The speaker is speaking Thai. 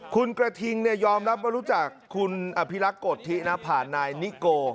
คุณกระทิงยอมรับว่ารู้จักคุณอภิรักษ์โกธินะผ่านนายนิโก